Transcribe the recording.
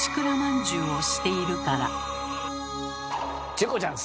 チコちゃん